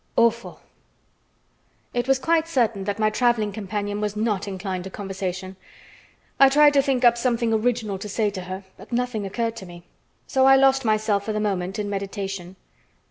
"Awful!" It was quite certain that my traveling companion was not inclined to conversation. I tried to think up something original to say to her, but nothing occurred to me, so I lost myself for the moment in meditation.